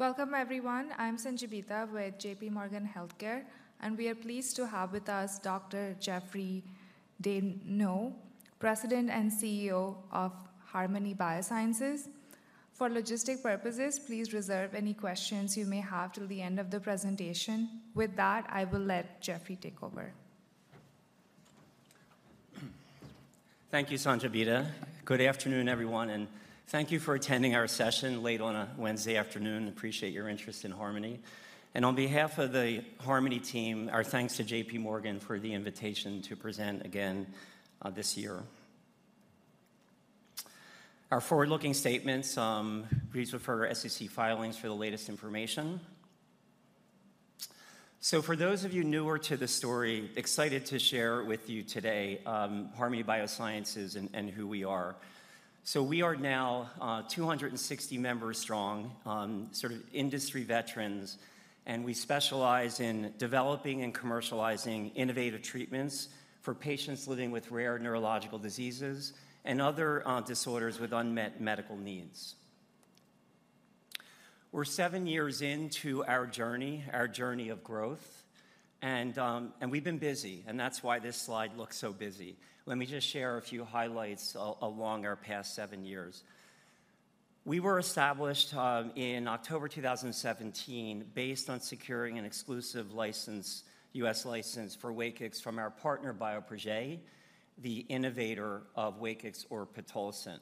Welcome, everyone. I'm Sanjibita with J.P. Morgan Healthcare, and we are pleased to have with us Dr. Jeffrey M. Dayno, President and CEO of Harmony Biosciences. For logistical purposes, please reserve any questions you may have till the end of the presentation. With that, I will let Jeffrey take over. Thank you, Sanjibita. Good afternoon, everyone, and thank you for attending our session late on a Wednesday afternoon. Appreciate your interest in Harmony. And on behalf of the Harmony team, our thanks to J.P. Morgan for the invitation to present again, this year. Our forward-looking statements, please refer to our SEC filings for the latest information. So for those of you newer to the story, excited to share with you today, Harmony Biosciences and, and who we are. So we are now, 260 members strong, sort of industry veterans, and we specialize in developing and commercializing innovative treatments for patients living with rare neurological diseases and other, disorders with unmet medical needs. We're 7 years into our journey, our journey of growth, and, and we've been busy, and that's why this slide looks so busy. Let me just share a few highlights along our past seven years. We were established in October 2017, based on securing an exclusive license, U.S. license for WAKIX from our partner, Bioprojet, the innovator of WAKIX or pitolisant.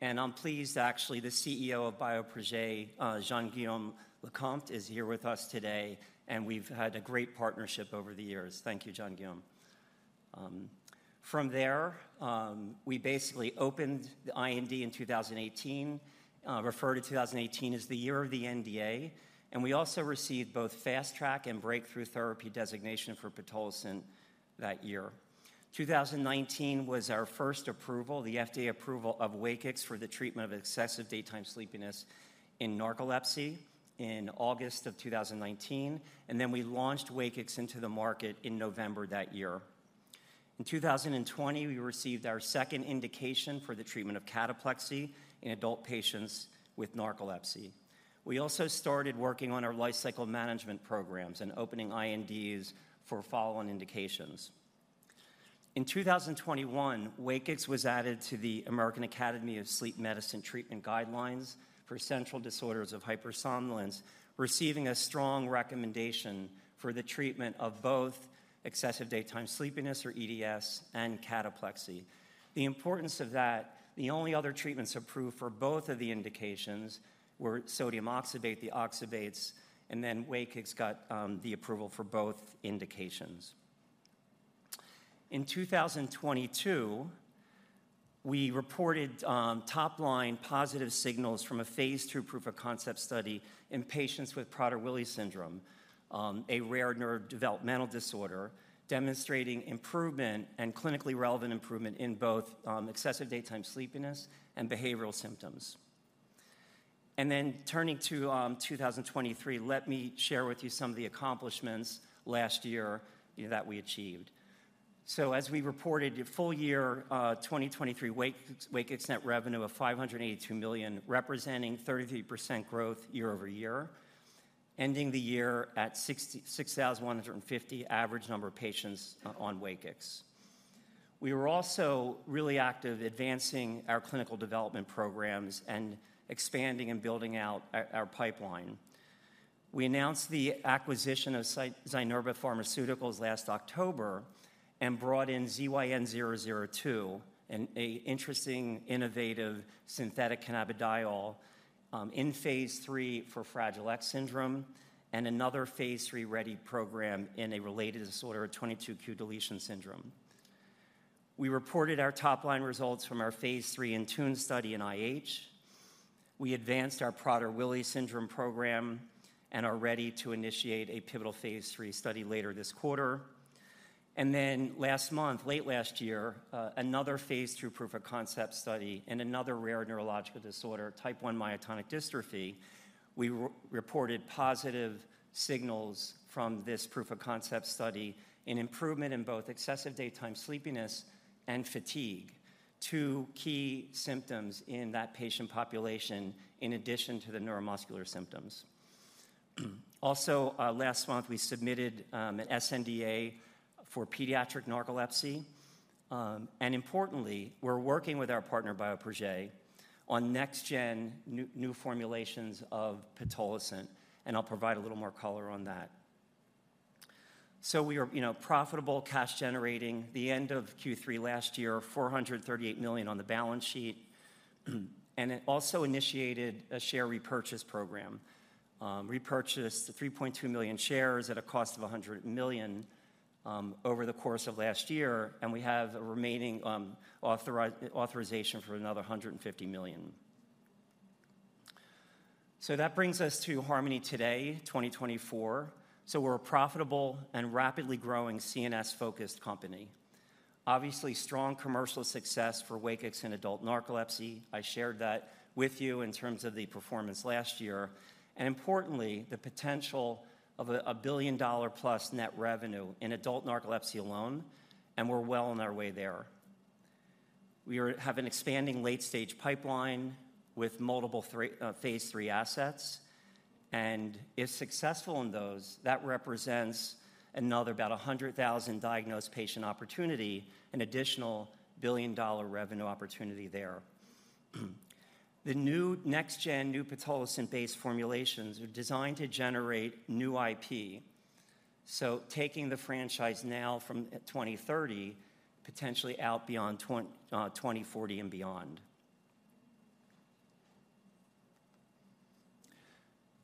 And I'm pleased, actually, the CEO of Bioprojet, Jean-Guillaume Lecomte, is here with us today, and we've had a great partnership over the years. Thank you, Jean-Guillaume. From there, we basically opened the IND in 2018. Refer to 2018 as the year of the NDA, and we also received both Fast Track and Breakthrough Therapy designation for pitolisant that year. 2019 was our first approval, the FDA approval of Wakix for the treatment of excessive daytime sleepiness in narcolepsy in August 2019, and then we launched Wakix into the market in November that year. In 2020, we received our second indication for the treatment of cataplexy in adult patients with narcolepsy. We also started working on our lifecycle management programs and opening INDs for follow-on indications. In 2021, Wakix was added to the American Academy of Sleep Medicine treatment guidelines for central disorders of hypersomnolence, receiving a strong recommendation for the treatment of both excessive daytime sleepiness, or EDS, and cataplexy. The importance of that, the only other treatments approved for both of the indications were sodium oxybate, the oxybates, and then Wakix got the approval for both indications. In 2022, we reported top-line positive signals from a phase II proof of concept study in patients with Prader-Willi syndrome, a rare neurodevelopmental disorder, demonstrating improvement and clinically relevant improvement in both excessive daytime sleepiness and behavioral symptoms. Then turning to 2023, let me share with you some of the accomplishments last year that we achieved. As we reported, a full year 2023 WAKIX net revenue of $582 million, representing 33% growth year-over-year, ending the year at 66,150 average number of patients on WAKIX. We were also really active advancing our clinical development programs and expanding and building out our pipeline. We announced the acquisition of Zynerba Pharmaceuticals last October and brought in ZYN002, an interesting, innovative synthetic cannabidiol, in phase III for Fragile X syndrome and another phase III-ready program in a related disorder, 22q deletion syndrome. We reported our top-line results from our phase III INTUNE study in IH. We advanced our Prader-Willi syndrome program and are ready to initiate a pivotal phase III study later this quarter. And then last month, late last year, another phase II proof of concept study in another rare neurological disorder, type 1 myotonic dystrophy. We re-reported positive signals from this proof of concept study in improvement in both excessive daytime sleepiness and fatigue, two key symptoms in that patient population, in addition to the neuromuscular symptoms. Also, last month, we submitted an sNDA for pediatric narcolepsy. And importantly, we're working with our partner, Bioprojet, on next gen new formulations of pitolisant, and I'll provide a little more color on that. So we are, you know, profitable, cash generating. The end of Q3 last year, $438 million on the balance sheet, and it also initiated a share repurchase program. Repurchased 3.2 million shares at a cost of $100 million over the course of last year, and we have a remaining authorization for another $150 million. So that brings us to Harmony today, 2024. So we're a profitable and rapidly growing CNS-focused company. Obviously, strong commercial success for WAKIX in adult narcolepsy. I shared that with you in terms of the performance last year, and importantly, the potential of a billion-dollar-plus net revenue in adult narcolepsy alone, and we're well on our way there. We have an expanding late-stage pipeline with multiple three phase III assets, and if successful in those, that represents another about a 100,000 diagnosed patient opportunity, an additional billion-dollar revenue opportunity there. The new next-gen pitolisant-based formulations are designed to generate new IP. So taking the franchise now from 2030, potentially out beyond 2040 and beyond.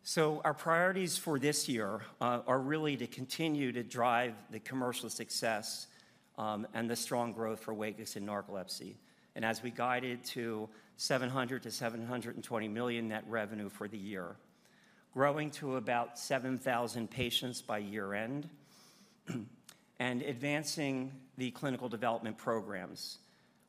So our priorities for this year are really to continue to drive the commercial success and the strong growth for WAKIX in narcolepsy. As we guided to $700-$720 million net revenue for the year, growing to about 7,000 patients by year-end, and advancing the clinical development programs.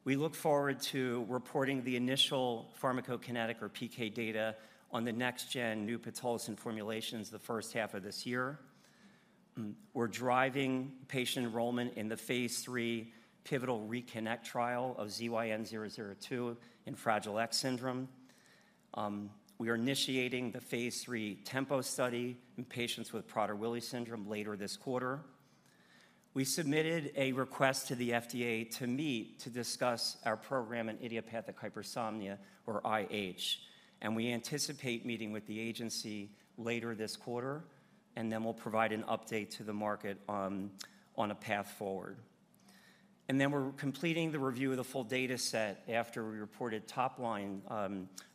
We look forward to reporting the initial pharmacokinetic or PK data on the next-gen pitolisant formulations the first half of this year. We're driving patient enrollment in the phase III pivotal RECONNECT trial of ZYN002 in Fragile X syndrome. We are initiating the phase III TEMPO study in patients with Prader-Willi syndrome later this quarter. We submitted a request to the FDA to meet to discuss our program in idiopathic hypersomnia or IH, and we anticipate meeting with the agency later this quarter, and then we'll provide an update to the market on a path forward. And then we're completing the review of the full dataset after we reported top-line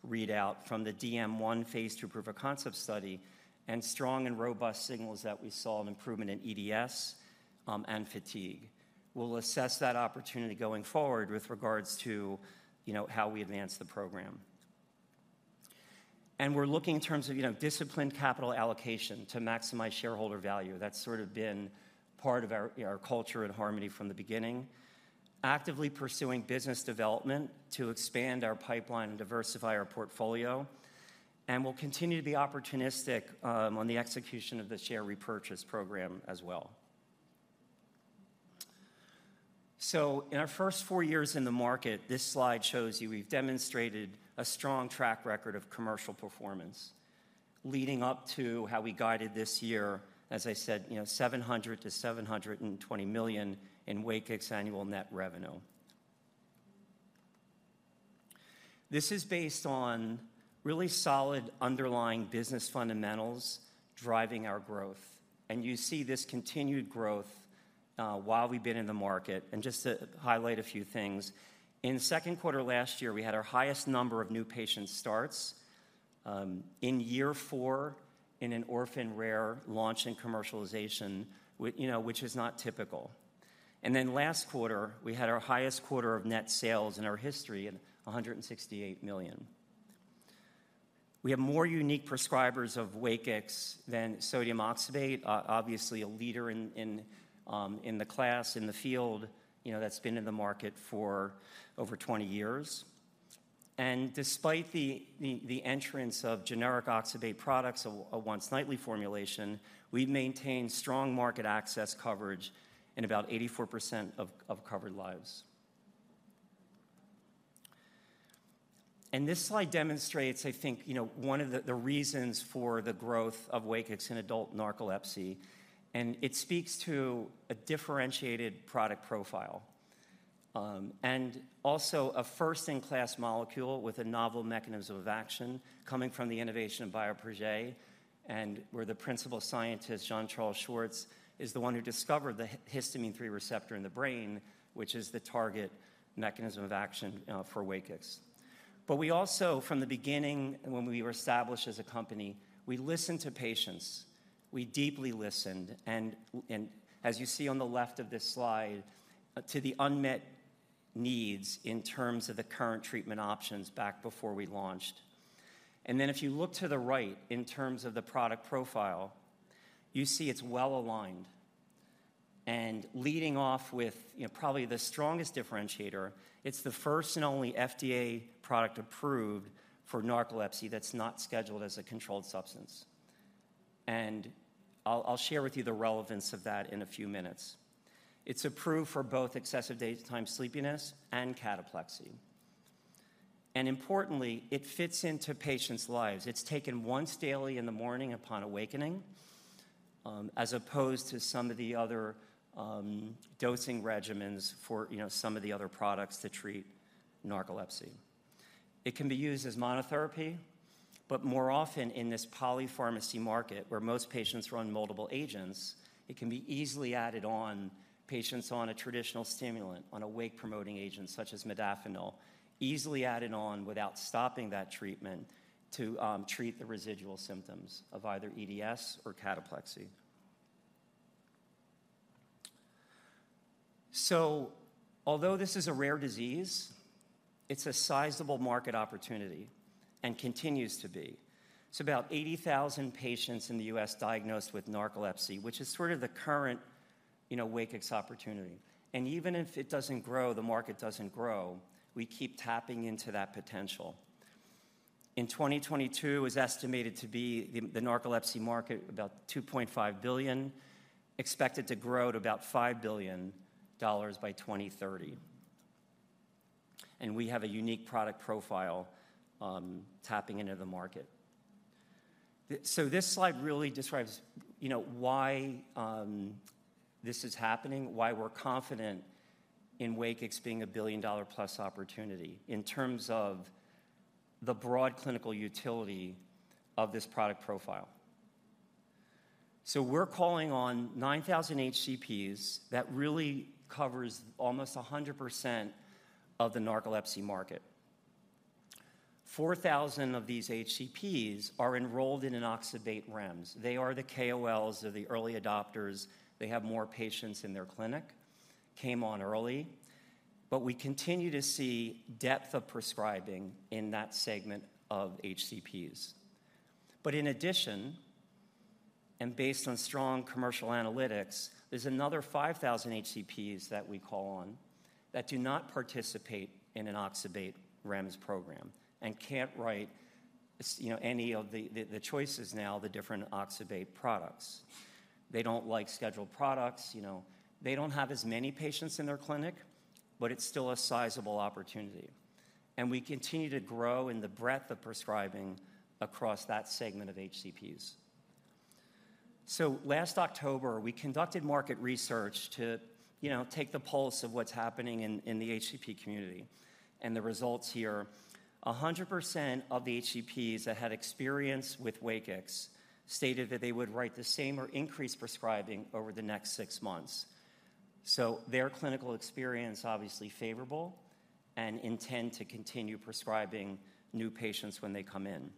readout from the DM1 phase 2 proof of concept study and strong and robust signals that we saw an improvement in EDS, and fatigue. We'll assess that opportunity going forward with regards to, you know, how we advance the program. And we're looking in terms of, you know, disciplined capital allocation to maximize shareholder value. That's sort of been part of our, our culture at Harmony from the beginning. Actively pursuing business development to expand our pipeline and diversify our portfolio, and we'll continue to be opportunistic on the execution of the share repurchase program as well. So in our first four years in the market, this slide shows you we've demonstrated a strong track record of commercial performance, leading up to how we guided this year, as I said, you know, $700 million-$720 million in WAKIX annual net revenue. This is based on really solid underlying business fundamentals driving our growth, and you see this continued growth while we've been in the market. And just to highlight a few things, in the second quarter last year, we had our highest number of new patient starts in year four in an orphan rare launch and commercialization, you know, which is not typical. And then last quarter, we had our highest quarter of net sales in our history at $168 million. We have more unique prescribers of WAKIX than sodium oxybate, obviously a leader in the class, in the field, you know, that's been in the market for over 20 years. And despite the entrance of generic oxybate products, a once-nightly formulation, we've maintained strong market access coverage in about 84% of covered lives. And this slide demonstrates, I think, you know, one of the reasons for the growth of WAKIX in adult narcolepsy, and it speaks to a differentiated product profile. And also a first-in-class molecule with a novel mechanism of action coming from the innovation of Bioprojet, and where the principal scientist, Jean-Charles Schwartz, is the one who discovered the histamine H3 receptor in the brain, which is the target mechanism of action for WAKIX. But we also, from the beginning, when we were established as a company, we listened to patients. We deeply listened, and as you see on the left of this slide, to the unmet needs in terms of the current treatment options back before we launched. And then if you look to the right in terms of the product profile, you see it's well-aligned and leading off with, you know, probably the strongest differentiator. It's the first and only FDA product approved for narcolepsy that's not scheduled as a controlled substance. And I'll, I'll share with you the relevance of that in a few minutes. It's approved for both excessive daytime sleepiness and cataplexy. And importantly, it fits into patients' lives. It's taken once daily in the morning upon awakening, as opposed to some of the other dosing regimens for, you know, some of the other products to treat narcolepsy. It can be used as monotherapy, but more often in this polypharmacy market, where most patients are on multiple agents, it can be easily added on patients on a traditional stimulant, on a wake-promoting agent such as modafinil, easily added on without stopping that treatment to treat the residual symptoms of either EDS or cataplexy. So although this is a rare disease, it's a sizable market opportunity and continues to be. It's about 80,000 patients in the U.S. diagnosed with narcolepsy, which is sort of the current, you know, WAKIX opportunity. And even if it doesn't grow, the market doesn't grow, we keep tapping into that potential. In 2022, it was estimated to be the narcolepsy market, about $2.5 billion, expected to grow to about $5 billion by 2030. And we have a unique product profile, tapping into the market. So this slide really describes, you know, why this is happening, why we're confident in WAKIX being a billion-dollar-plus opportunity in terms of the broad clinical utility of this product profile. So we're calling on 9,000 HCPs. That really covers almost 100% of the narcolepsy market. 4,000 of these HCPs are enrolled in an oxybate REMS. They are the KOLs or the early adopters. They have more patients in their clinic, came on early, but we continue to see depth of prescribing in that segment of HCPs. But in addition, and based on strong commercial analytics, there's another 5,000 HCPs that we call on that do not participate in an oxybate REMS program and can't write, you know, any of the choices now, the different oxybate products. They don't like scheduled products, you know. They don't have as many patients in their clinic, but it's still a sizable opportunity, and we continue to grow in the breadth of prescribing across that segment of HCPs. So last October, we conducted market research to, you know, take the pulse of what's happening in the HCP community, and the results here: 100% of the HCPs that had experience with WAKIX stated that they would write the same or increase prescribing over the next six months. So their clinical experience, obviously favorable, and intend to continue prescribing new patients when they come in.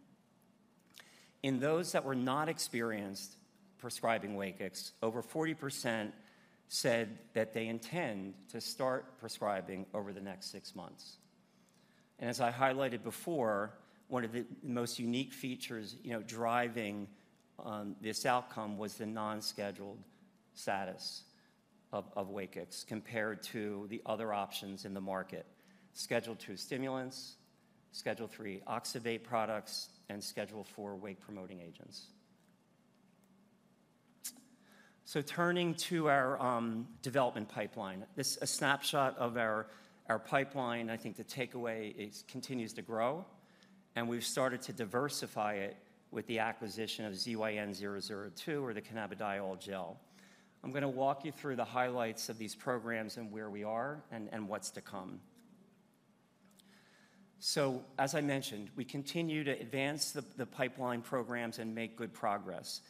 In those that were not experienced prescribing WAKIX, over 40% said that they intend to start prescribing over the next 6 months. As I highlighted before, one of the most unique features, you know, driving this outcome was the non-scheduled status of WAKIX compared to the other options in the market: Schedule II stimulants, Schedule III oxybate products, and Schedule IV wake-promoting agents. Turning to our development pipeline. This a snapshot of our pipeline. I think the takeaway is continues to grow, and we've started to diversify it with the acquisition of ZYN002 or the cannabidiol gel. I'm gonna walk you through the highlights of these programs and where we are and what's to come. So, as I mentioned, we continue to advance the pipeline programs and make good progress,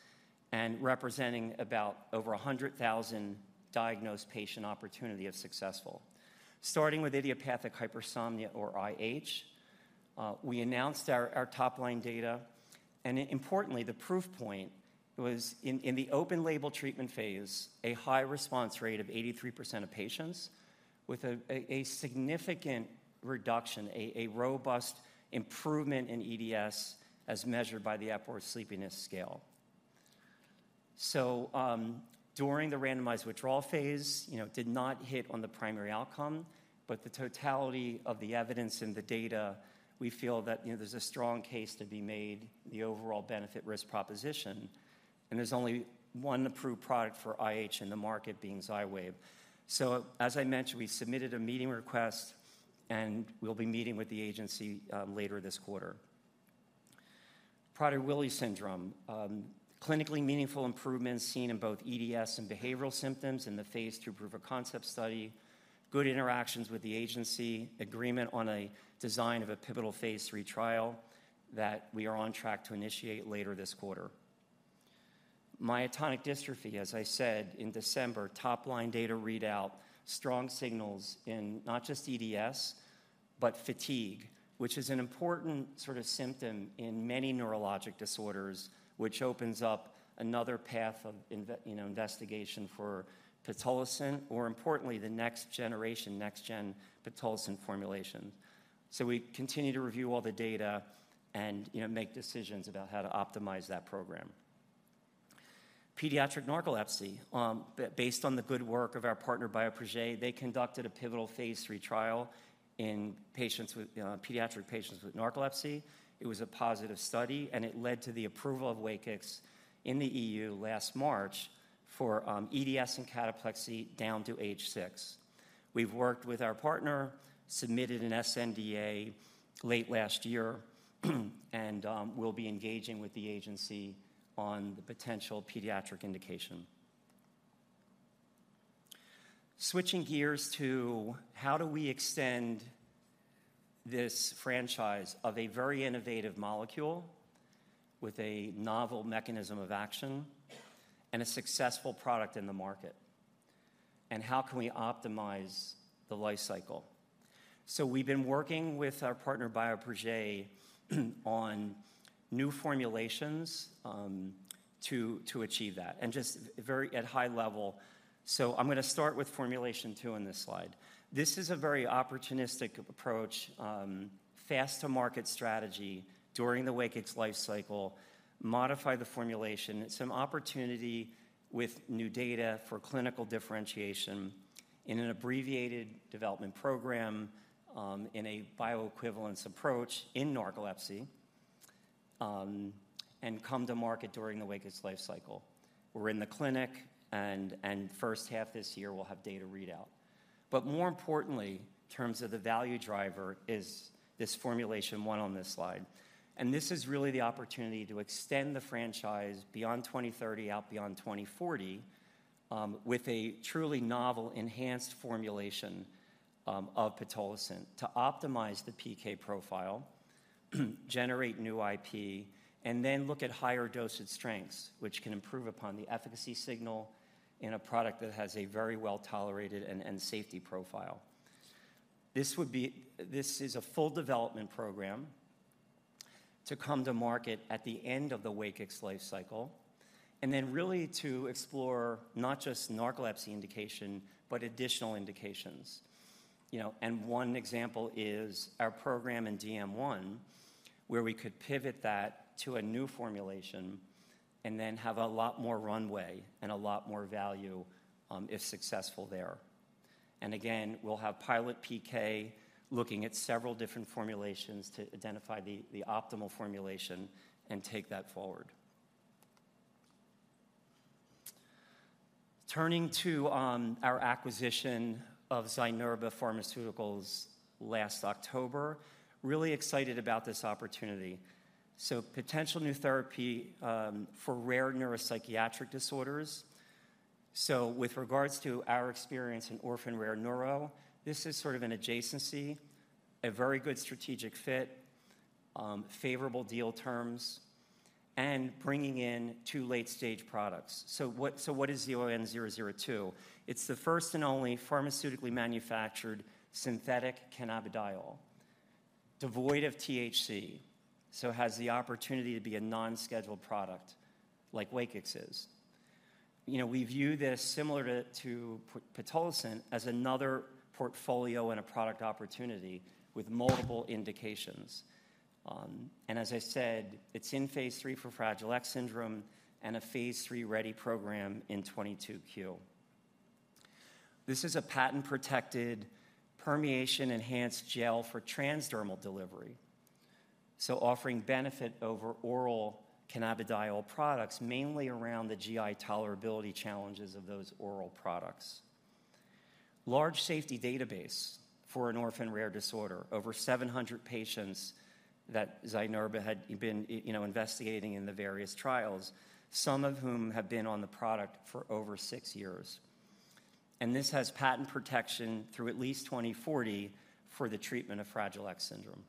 representing about over 100,000 diagnosed patient opportunity if successful. Starting with idiopathic hypersomnia or IH, we announced our top-line data, and importantly, the proof point was in the open-label treatment phase, a high response rate of 83% of patients with a significant reduction, a robust improvement in EDS as measured by the Epworth Sleepiness Scale. So, during the randomized withdrawal phase, you know, did not hit on the primary outcome, but the totality of the evidence and the data, we feel that, you know, there's a strong case to be made, the overall benefit-risk proposition, and there's only one approved product for IH in the market being Xywav. So, as I mentioned, we submitted a meeting request, and we'll be meeting with the agency later this quarter. Prader-Willi syndrome. Clinically meaningful improvements seen in both EDS and behavioral symptoms in the phase II proof of concept study. Good interactions with the agency, agreement on a design of a pivotal phase III trial that we are on track to initiate later this quarter. Myotonic dystrophy, as I said in December, top-line data readout, strong signals in not just EDS, but fatigue, which is an important sort of symptom in many neurologic disorders, which opens up another path of you know, investigation for pitolisant or importantly, the next generation, next-gen pitolisant formulation. So we continue to review all the data and, you know, make decisions about how to optimize that program. Pediatric narcolepsy, based on the good work of our partner, Bioprojet, they conducted a pivotal phase III trial in patients with pediatric patients with narcolepsy. It was a positive study, and it led to the approval of WAKIX in the E.U. last March for EDS and cataplexy down to age six. We've worked with our partner, submitted an sNDA late last year, and we'll be engaging with the agency on the potential pediatric indication. Switching gears to how do we extend this franchise of a very innovative molecule with a novel mechanism of action and a successful product in the market, and how can we optimize the life cycle? So we've been working with our partner, Bioprojet, on new formulations to achieve that, and just very at high level. So I'm gonna start with formulation 2 in this slide. This is a very opportunistic approach, fast-to-market strategy during the WAKIX life cycle, modify the formulation, some opportunity with new data for clinical differentiation in an abbreviated development program, in a bioequivalence approach in narcolepsy, and come to market during the WAKIX life cycle. We're in the clinic, and first half this year, we'll have data readout. But more importantly, in terms of the value driver, is this formulation one on this slide. And this is really the opportunity to extend the franchise beyond 2030, out beyond 2040, with a truly novel, enhanced formulation of pitolisant to optimize the PK profile, generate new IP, and then look at higher dosage strengths, which can improve upon the efficacy signal in a product that has a very well-tolerated and safety profile. This is a full development program to come to market at the end of the WAKIX life cycle, and then really to explore not just narcolepsy indication, but additional indications. You know, and one example is our program in DM1, where we could pivot that to a new formulation and then have a lot more runway and a lot more value, if successful there. And again, we'll have pilot PK looking at several different formulations to identify the optimal formulation and take that forward. Turning to our acquisition of Zynerba Pharmaceuticals last October, really excited about this opportunity. So potential new therapy for rare neuropsychiatric disorders. So with regards to our experience in orphan rare neuro, this is sort of an adjacency, a very good strategic fit, favorable deal terms, and bringing in two late-stage products. So what is ZYN002? It's the first and only pharmaceutically manufactured synthetic cannabidiol, devoid of THC, so has the opportunity to be a non-scheduled product like WAKIX is. You know, we view this similar to pitolisant as another portfolio and a product opportunity with multiple indications. And as I said, it's in phase III for Fragile X syndrome and a phase III-ready program in 22q. This is a patent-protected permeation-enhanced gel for transdermal delivery, so offering benefit over oral cannabidiol products, mainly around the GI tolerability challenges of those oral products. Large safety database for an orphan rare disorder, over 700 patients that Zynerba had been, you know, investigating in the various trials, some of whom have been on the product for over 6 years. And this has patent protection through at least 2040 for the treatment of Fragile X syndrome.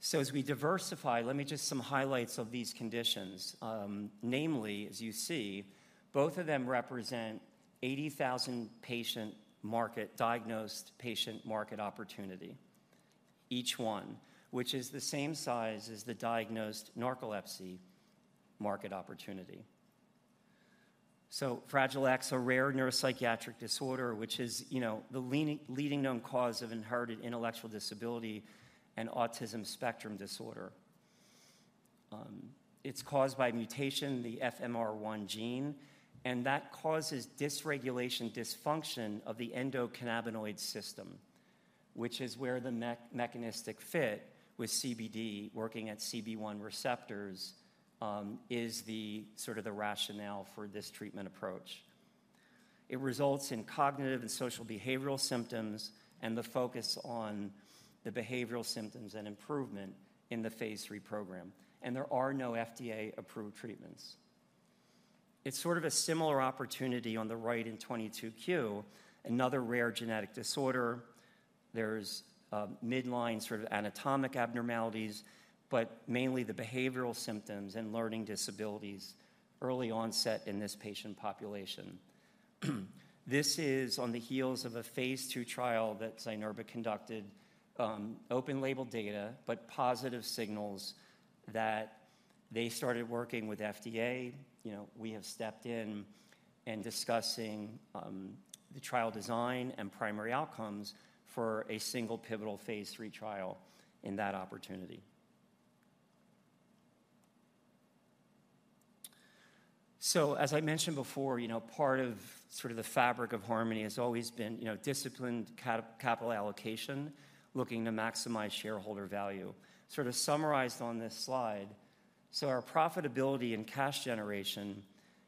So as we diversify, let me just some highlights of these conditions. Namely, as you see, both of them represent 80,000 patient market... diagnosed patient market opportunity, each one, which is the same size as the diagnosed narcolepsy market opportunity. So Fragile X, a rare neuropsychiatric disorder, which is, you know, the leading known cause of inherited intellectual disability and autism spectrum disorder. It's caused by a mutation, the FMR1 gene, and that causes dysregulation, dysfunction of the endocannabinoid system, which is where the mechanistic fit with CBD working at CB1 receptors is the sort of the rationale for this treatment approach. It results in cognitive and social behavioral symptoms, and the focus on the behavioral symptoms and improvement in the phase III program, and there are no FDA-approved treatments. It's sort of a similar opportunity on the right in 22q, another rare genetic disorder. There's midline sort of anatomic abnormalities, but mainly the behavioral symptoms and learning disabilities early onset in this patient population. This is on the heels of a phase II trial that Zynerba conducted, open-label data, but positive signals that they started working with FDA. You know, we have stepped in and discussing the trial design and primary outcomes for a single pivotal phase III trial in that opportunity. So as I mentioned before, you know, part of sort of the fabric of Harmony has always been, you know, disciplined capital allocation, looking to maximize shareholder value. Sort of summarized on this slide, so our profitability and cash generation,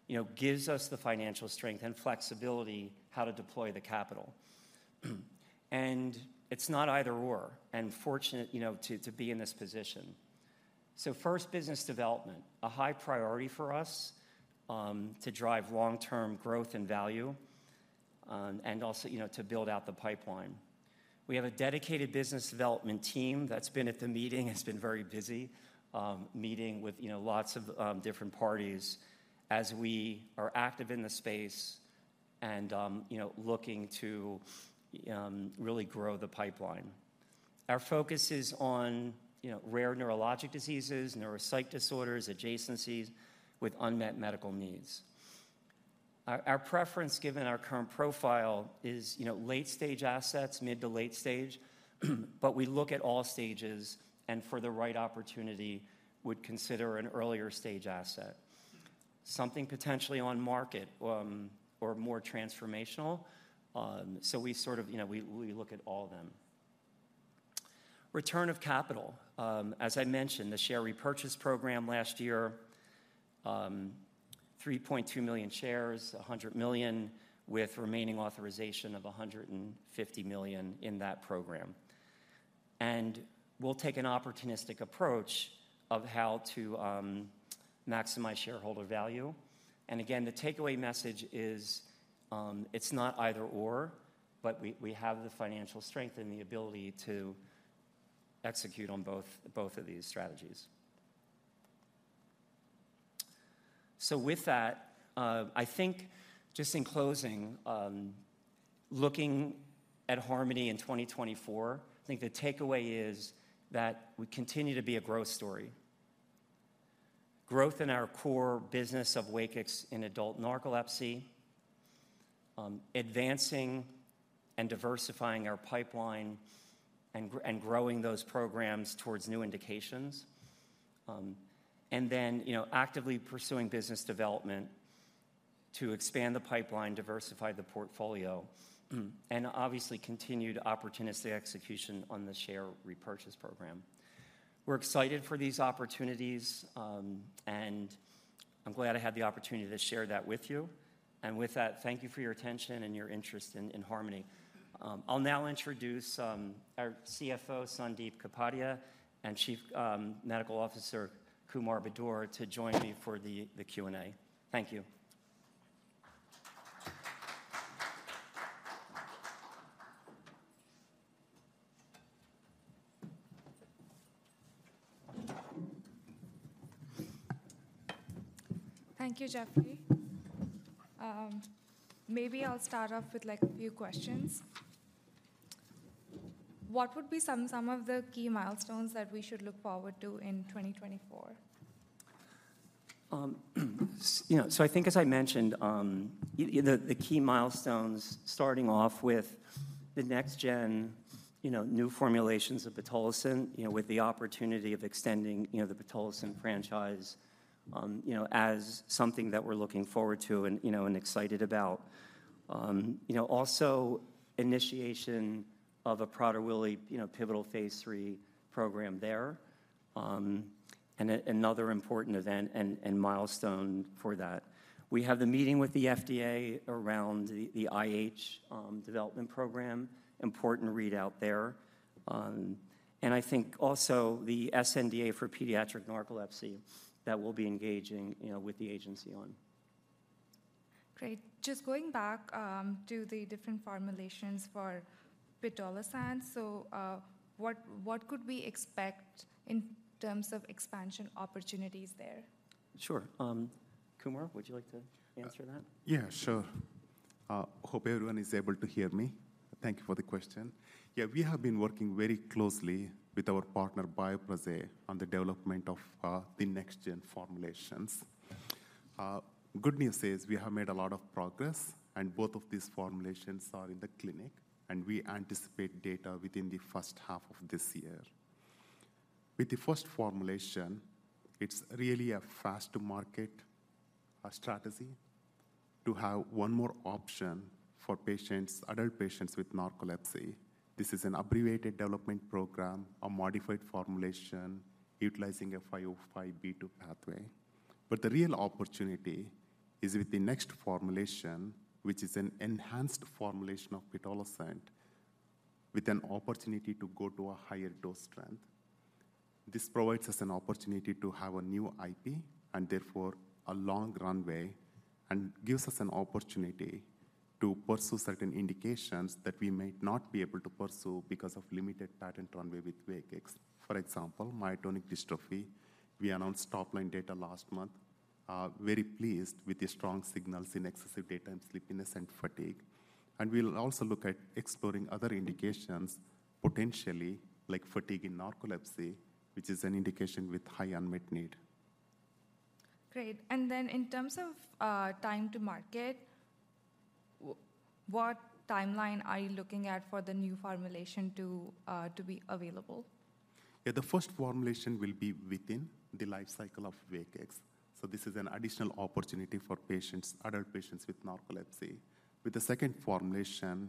you know, gives us the financial strength and flexibility, how to deploy the capital. And it's not either/or, and fortunate, you know, to, to be in this position. So first, business development, a high priority for us, to drive long-term growth and value, and also, you know, to build out the pipeline. We have a dedicated business development team that's been at the meeting, has been very busy, meeting with, you know, lots of, different parties as we are active in the space and, you know, looking to, really grow the pipeline. Our focus is on, you know, rare neurologic diseases, neuropsych disorders, adjacencies with unmet medical needs. Our, our preference, given our current profile, is, you know, late-stage assets, mid to late stage, but we look at all stages, and for the right opportunity, would consider an earlier stage asset.... something potentially on market, or more transformational. So we sort of, you know, we look at all of them. Return of capital. As I mentioned, the share repurchase program last year, 3.2 million shares, $100 million, with remaining authorization of $150 million in that program. We'll take an opportunistic approach of how to maximize shareholder value. Again, the takeaway message is, it's not either/or, but we have the financial strength and the ability to execute on both of these strategies. So with that, I think just in closing, looking at Harmony in 2024, I think the takeaway is that we continue to be a growth story. Growth in our core business of WAKIX in adult narcolepsy, advancing and diversifying our pipeline, and growing those programs towards new indications. And then, you know, actively pursuing business development to expand the pipeline, diversify the portfolio, and obviously, continued opportunistic execution on the share repurchase program. We're excited for these opportunities, and I'm glad I had the opportunity to share that with you. And with that, thank you for your attention and your interest in Harmony. I'll now introduce our CFO, Sandip Kapadia, and Chief Medical Officer, Kumar Budur, to join me for the Q&A. Thank you. Thank you, Jeffrey. Maybe I'll start off with, like, a few questions. What would be some of the key milestones that we should look forward to in 2024? You know, so I think, as I mentioned, the key milestones starting off with the next gen, you know, new formulations of pitolisant, you know, with the opportunity of extending, you know, the pitolisant franchise, you know, as something that we're looking forward to and, you know, and excited about. You know, also initiation of a Prader-Willi, you know, pivotal Phase III program there. And another important event and milestone for that. We have the meeting with the FDA around the IH development program. Important readout there. And I think also the sNDA for pediatric narcolepsy that we'll be engaging, you know, with the agency on. Great. Just going back to the different formulations for pitolisant, so, what could we expect in terms of expansion opportunities there? Sure. Kumar, would you like to answer that? Yeah, sure. Hope everyone is able to hear me. Thank you for the question. Yeah, we have been working very closely with our partner, Bioprojet, on the development of the next-gen formulations. Good news is, we have made a lot of progress, and both of these formulations are in the clinic, and we anticipate data within the first half of this year. With the first formulation, it's really a fast-to-market strategy to have one more option for patients, adult patients with narcolepsy. This is an abbreviated development program, a modified formulation utilizing a 505(b)(2) pathway. But the real opportunity is with the next formulation, which is an enhanced formulation of pitolisant, with an opportunity to go to a higher dose strength. This provides us an opportunity to have a new IP and therefore a long runway, and gives us an opportunity to pursue certain indications that we may not be able to pursue because of limited patent runway with WAKIX. For example, myotonic dystrophy. We announced top-line data last month. Very pleased with the strong signals in excessive daytime sleepiness and fatigue. And we'll also look at exploring other indications, potentially like fatigue in narcolepsy, which is an indication with high unmet need. Great. And then in terms of time to market, what timeline are you looking at for the new formulation to be available? Yeah, the first formulation will be within the life cycle of WAKIX. So this is an additional opportunity for patients, adult patients with narcolepsy. With the second formulation,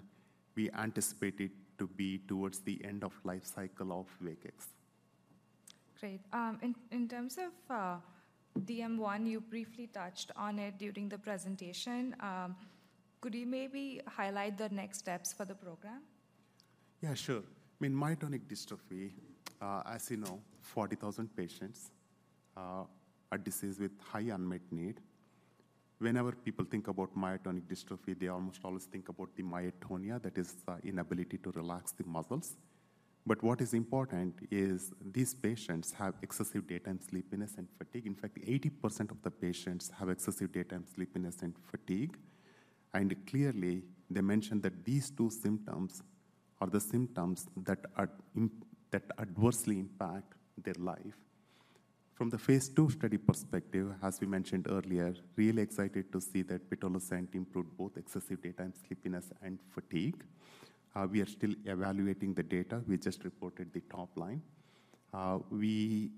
we anticipate it to be towards the end of life cycle of WAKIX. Great. In terms of DM1, you briefly touched on it during the presentation. Could you maybe highlight the next steps for the program? Yeah, sure. I mean, Myotonic dystrophy, as you know, 40,000 patients, a disease with high unmet need. Whenever people think about Myotonic dystrophy, they almost always think about the myotonia, that is the inability to relax the muscles. But what is important is these patients have excessive daytime sleepiness and fatigue. In fact, 80% of the patients have excessive daytime sleepiness and fatigue, and clearly, they mention that these two symptoms are the symptoms that are im-- that adversely impact their life. From the phase II study perspective, as we mentioned earlier, really excited to see that pitolisant improved both excessive daytime sleepiness and fatigue. We are still evaluating the data. We just reported the top line. We,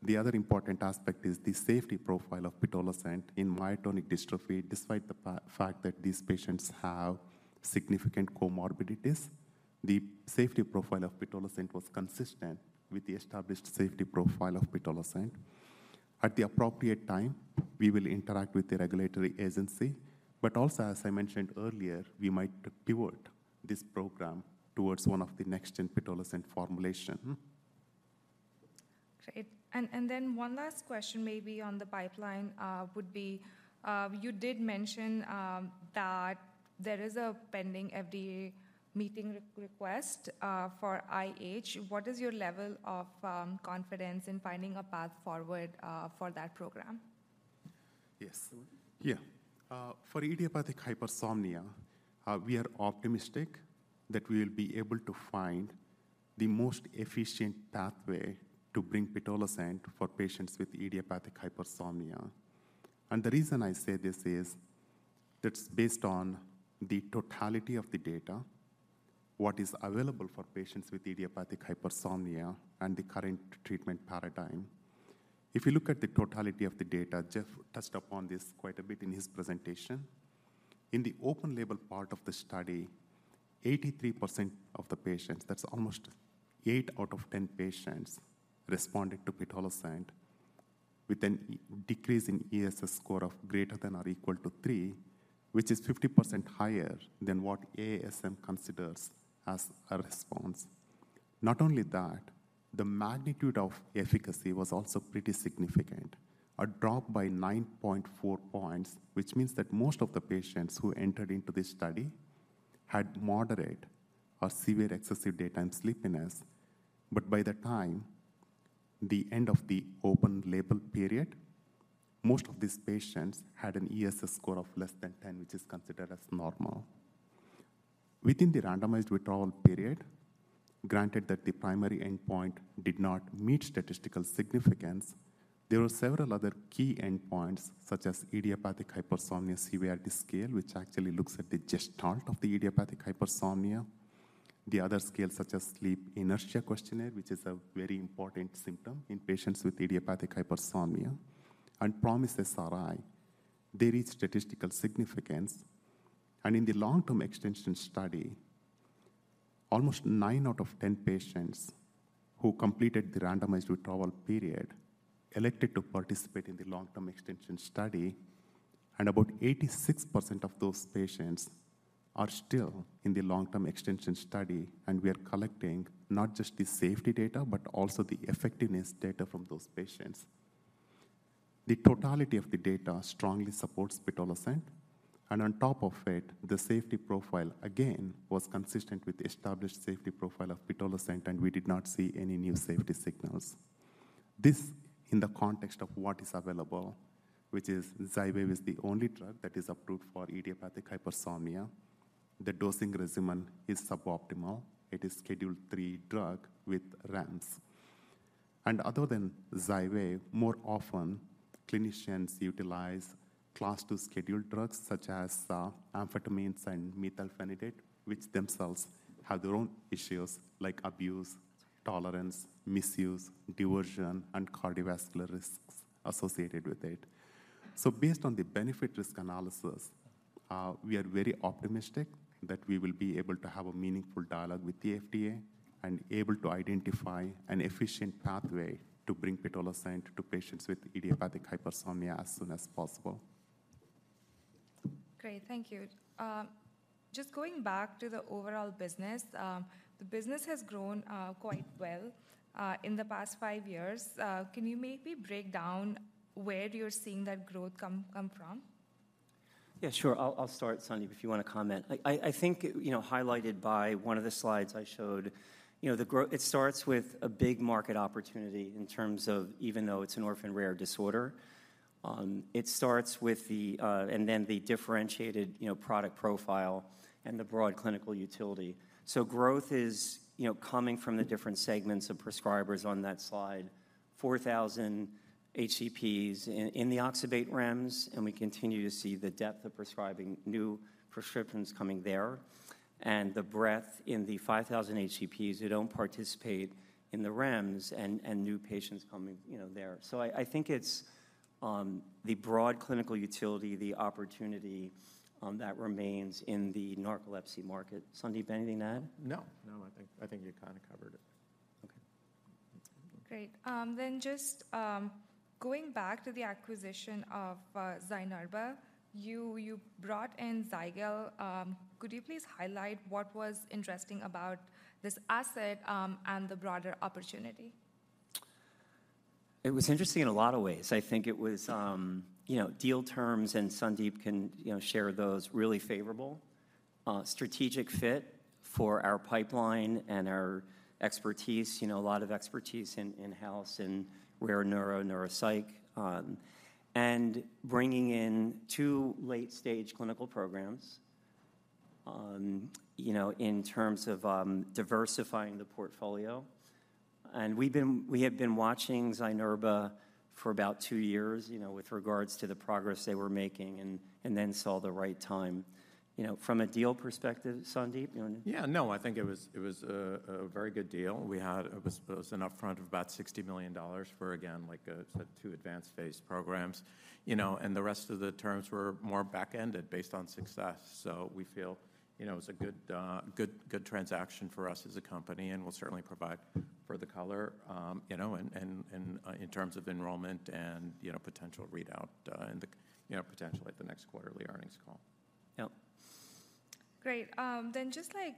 the other important aspect is the safety profile of pitolisant in Myotonic dystrophy. Despite the fact that these patients have significant comorbidities, the safety profile of pitolisant was consistent with the established safety profile of pitolisant. At the appropriate time, we will interact with the regulatory agency, but also, as I mentioned earlier, we might pivot this program towards one of the next-gen pitolisant formulation. Great. And then one last question maybe on the pipeline would be, you did mention that there is a pending FDA meeting request for IH. What is your level of confidence in finding a path forward for that program? Yes. Yeah. For idiopathic hypersomnia, we are optimistic that we will be able to find the most efficient pathway to bring pitolisant for patients with idiopathic hypersomnia. And the reason I say this is that's based on the totality of the data, what is available for patients with idiopathic hypersomnia, and the current treatment paradigm. If you look at the totality of the data, Jeff touched upon this quite a bit in his presentation. In the open-label part of the study, 83% of the patients, that's almost eight out of ten patients, responded to pitolisant with a decrease in ESS score of greater than or equal to 3, which is 50% higher than what AASM considers as a response. Not only that, the magnitude of efficacy was also pretty significant. A drop by 9.4 points, which means that most of the patients who entered into this study had moderate or severe excessive daytime sleepiness. But by the time, the end of the open-label period, most of these patients had an ESS score of less than 10, which is considered as normal. Within the randomized withdrawal period, granted that the primary endpoint did not meet statistical significance, there were several other key endpoints, such as Idiopathic Hypersomnia Severity Scale, which actually looks at the gestalt of the idiopathic hypersomnia. The other scale, such as Sleep Inertia Questionnaire, which is a very important symptom in patients with idiopathic hypersomnia, and PROMIS-SRI, they reached statistical significance. In the long-term extension study, almost 9 out of 10 patients who completed the randomized withdrawal period elected to participate in the long-term extension study, and about 86% of those patients are still in the long-term extension study. We are collecting not just the safety data, but also the effectiveness data from those patients. The totality of the data strongly supports pitolisant, and on top of it, the safety profile, again, was consistent with the established safety profile of pitolisant, and we did not see any new safety signals. This, in the context of what is available, which is Xywav is the only drug that is approved for idiopathic hypersomnia. The dosing regimen is suboptimal. It is Schedule III drug with REMS. And other than Xywav, more often, clinicians utilize Class II scheduled drugs, such as, amphetamines and methylphenidate, which themselves have their own issues like abuse, tolerance, misuse, diversion, and cardiovascular risks associated with it. So based on the benefit-risk analysis, we are very optimistic that we will be able to have a meaningful dialogue with the FDA and able to identify an efficient pathway to bring pitolisant to patients with idiopathic hypersomnia as soon as possible. Great. Thank you. Just going back to the overall business. The business has grown quite well in the past five years. Can you maybe break down where you're seeing that growth come from? Yeah, sure. I'll start, Sandip, if you want to comment. I think, you know, highlighted by one of the slides I showed, you know, the growth. It starts with a big market opportunity in terms of even though it's an orphan rare disorder and then the differentiated, you know, product profile and the broad clinical utility. So growth is, you know, coming from the different segments of prescribers on that slide, 4,000 HCPs in the oxybate REMS, and we continue to see the depth of prescribing new prescriptions coming there, and the breadth in the 5,000 HCPs who don't participate in the REMS and new patients coming, you know, there. So I think it's the broad clinical utility, the opportunity that remains in the narcolepsy market. Sandip, anything to add? No. No, I think, I think you kind of covered it. Okay. Great. Then just going back to the acquisition of Zynerba, you brought in Zygel. Could you please highlight what was interesting about this asset, and the broader opportunity? It was interesting in a lot of ways. I think it was, you know, deal terms, and Sandip can, you know, share those, really favorable. Strategic fit for our pipeline and our expertise, you know, a lot of expertise in-house in rare neuro, neuropsych. And bringing in two late-stage clinical programs, you know, in terms of diversifying the portfolio. And we have been watching Zynerba for about two years, you know, with regards to the progress they were making, and then saw the right time. You know, from a deal perspective, Sandip, you wanna- Yeah, no, I think it was a very good deal. We had an upfront of about $60 million for, again, like two advanced phase programs. You know, and the rest of the terms were more back-ended based on success. So we feel, you know, it was a good transaction for us as a company, and we'll certainly provide further color, you know, in terms of enrollment and, you know, potential readout, in the, you know, potentially at the next quarterly earnings call. Yep. Great. Then just, like,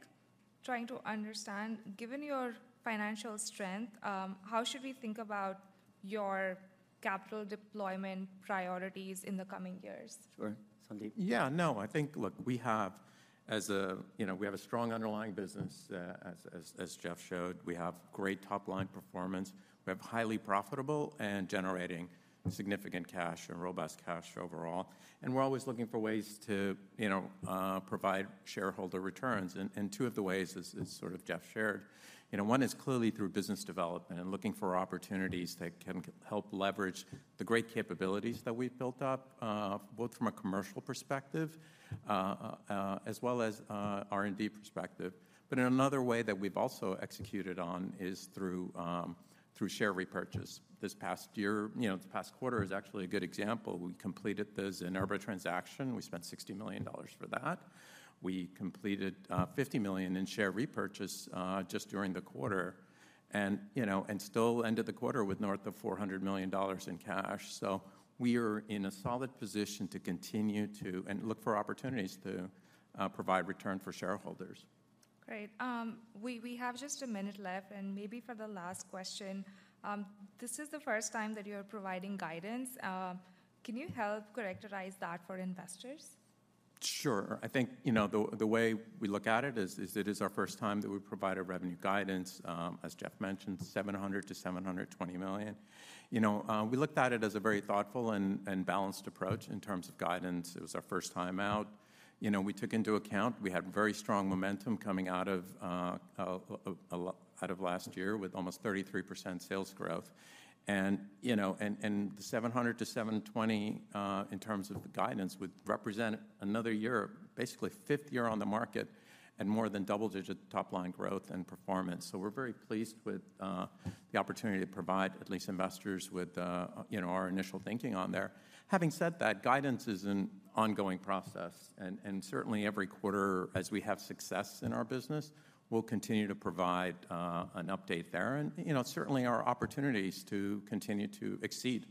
trying to understand, given your financial strength, how should we think about your capital deployment priorities in the coming years? Sure. Sandip? Yeah, no, I think, look, we have as a—you know, we have a strong underlying business, as Jeff showed. We have great top-line performance. We have highly profitable and generating significant cash and robust cash overall, and we're always looking for ways to, you know, provide shareholder returns. And two of the ways is sort of Jeff shared. You know, one is clearly through business development and looking for opportunities that can help leverage the great capabilities that we've built up, both from a commercial perspective, as well as R&D perspective. But another way that we've also executed on is through share repurchase. This past year, you know, this past quarter is actually a good example. We completed the Zynerba transaction. We spent $60 million for that. We completed $50 million in share repurchase just during the quarter and, you know, and still ended the quarter with north of $400 million in cash. So we are in a solid position to continue to and look for opportunities to provide return for shareholders. Great. We have just a minute left, and maybe for the last question. This is the first time that you are providing guidance. Can you help characterize that for investors? Sure. I think, you know, the way we look at it is, it is our first time that we provide a revenue guidance. As Jeff mentioned, $700 million-$720 million. You know, we looked at it as a very thoughtful and balanced approach in terms of guidance. It was our first time out. You know, we took into account, we had very strong momentum coming out of last year with almost 33% sales growth. And, you know, the $700-$720, in terms of the guidance, would represent another year, basically fifth year on the market and more than double-digit top-line growth and performance. So we're very pleased with the opportunity to provide at least investors with, you know, our initial thinking on there. Having said that, guidance is an ongoing process, and certainly every quarter, as we have success in our business, we'll continue to provide an update there. And, you know, certainly our opportunity is to continue to exceed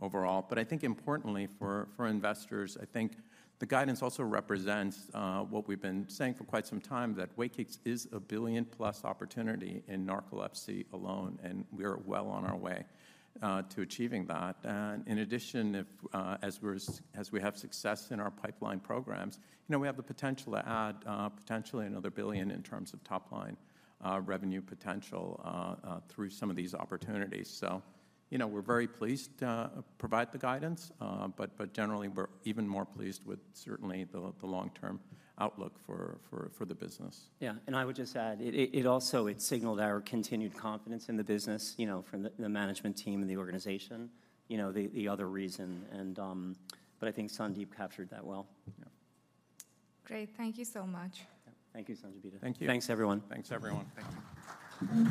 overall. But I think importantly for investors, I think the guidance also represents what we've been saying for quite some time, that WAKIX is a $1 billion+ opportunity in narcolepsy alone, and we are well on our way to achieving that. And in addition, if as we have success in our pipeline programs, you know, we have the potential to add potentially another $1 billion in terms of top-line revenue potential through some of these opportunities. So, you know, we're very pleased to provide the guidance, but generally, we're even more pleased with certainly the long-term outlook for the business. Yeah, and I would just add, it also signaled our continued confidence in the business, you know, from the management team and the organization. You know, the other reason. But I think Sandip captured that well. Yeah. Great. Thank you so much. Thank you, Sanjibita. Thank you. Thanks, everyone. Thanks, everyone. Thank you.